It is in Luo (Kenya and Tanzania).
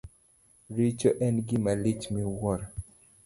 Richo en gima lich miwuoro.